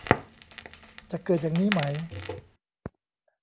จะเกิดอย่างนี้ไหม ?